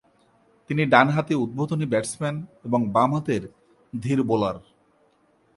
তিনি ডানহাতি উদ্বোধনী ব্যাটসম্যান এবং বাম হাতের ধীর বোলার।